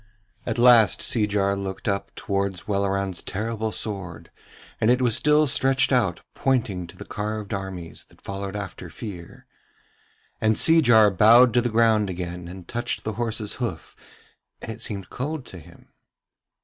At last Seejar looked up towards Welleran's terrible sword, and it was still stretched out pointing to the carved armies that followed after Fear. And Seejar bowed to the ground again and touched the horse's hoof, and it seemed cold to him.